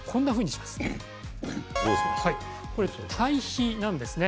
これを堆肥なんですね。